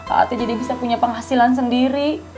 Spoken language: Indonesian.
hati jadi bisa punya penghasilan sendiri